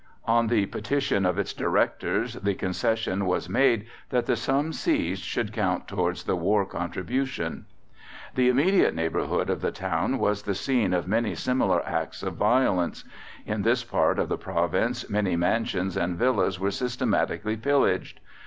On the petition of its directors the concession was made that the sum seized should count towards the war contribution. The immediate neighborhood of the town was the scene of many similar acts of violence. In this part of the province many mansions and villas were systematically pillaged.